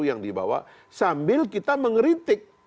yang dibawa sambil kita mengeritik